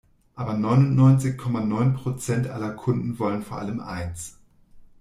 Aber neunundneunzig Komma neun Prozent aller Kunden wollen vor allem eins.